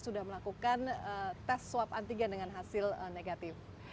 sudah melakukan tes swab antigen dengan hasil negatif